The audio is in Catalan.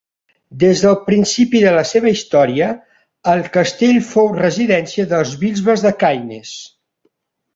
Des del principi de la seva història, el castell fou residència dels bisbes de Caithness.